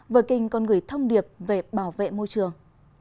vợ kinh còn gửi thông điệp về bảo vệ môi trường